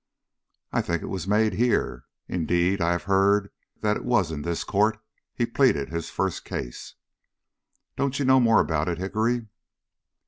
"I think it was made here. Indeed, I have heard that it was in this court he pleaded his first case. Don't you know more about it, Hickory?"